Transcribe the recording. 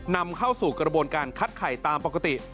นำเข้าสู่กระบวนการคัดไข่ตามปกติ